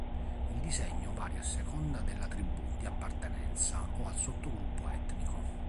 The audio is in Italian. Il disegno varia a seconda della tribù di appartenenza o al sottogruppo etnico.